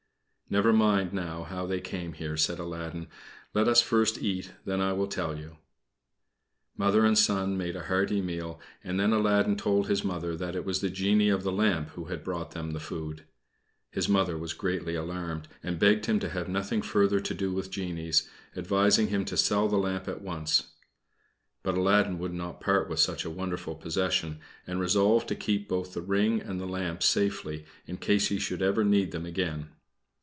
"Never mind now how they came here," said Aladdin. "Let us first eat, then I will tell you." Mother and son made a hearty meal, and then Aladdin told his Mother that it was the genie of the lamp who had brought them the food. His Mother was greatly alarmed, and begged him to have nothing further to do with genies, advising him to sell the lamp at once. But Aladdin would not part with such a wonderful possession, and resolved to keep both the ring and the lamp safely, in case he should ever need them again.